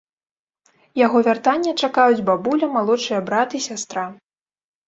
Яго вяртання чакаюць бабуля, малодшыя брат і сястра.